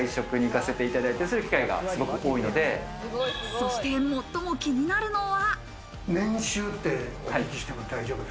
そして最も気になるのは。